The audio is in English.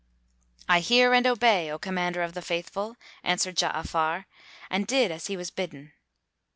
[FN#240] "I hear and obey, O Commander of the Faithful," answered Ja'afar, and did as he was bidden.